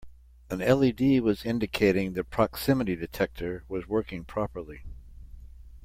An LED was indicating the proximity detector was working properly.